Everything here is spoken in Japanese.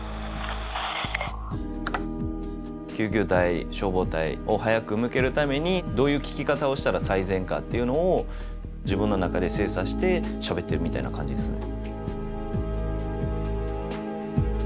救急隊消防隊を早く向けるためにどういう聞き方をしたら最善かっていうのを自分の中で精査してしゃべってるみたいな感じですね。